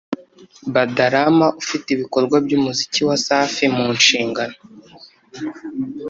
Baad Rama ufite ibikorwa by’umuziki wa Safi mu nshingano